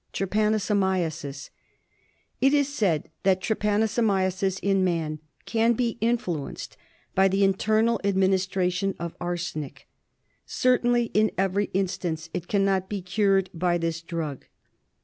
Trypanosomiasis. It is said that trypanosomiasis in man can be in fluenced by the internal administration of arsenic. Certainly in every instance it cannot be cured by this drug.